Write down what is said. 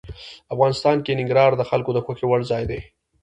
افغانستان کې ننګرهار د خلکو د خوښې وړ ځای دی.